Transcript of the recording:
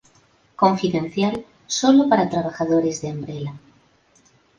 Confidencial solo para trabajadores de Umbrella.